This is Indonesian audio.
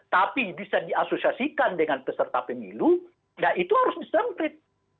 tapi bisa diasosiasikan dengan peserta pemilu ya itu harus disemprit